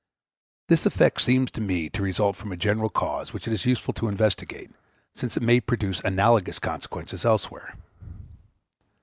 This effect seems to me to result from a general cause which it is useful to investigate, since it may produce analogous consequences elsewhere.